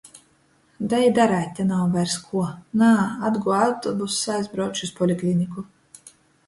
Da i dareit te nav vairs kuo. Nā. Atguoja autobuss, aizbrauču iz polikliniku.